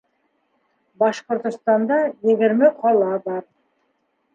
Башҡортостанда егерме ҡала бар.